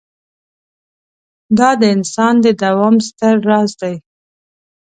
دا د انسان د دوام ستر راز دی.